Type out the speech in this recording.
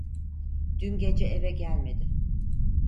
Dün gece eve gelmedi.